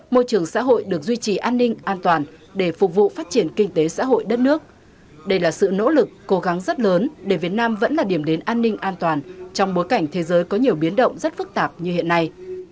môi trường xã hội được duy trì an ninh an toàn để phục vụ phát triển kinh tế xã hội đất nước đây là sự nỗ lực cố gắng rất lớn để việt nam vẫn là điểm đến an ninh an toàn trong bối cảnh thế giới có nhiều biến động rất phức tạp như hiện nay